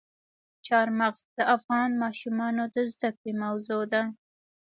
چار مغز د افغان ماشومانو د زده کړې موضوع ده.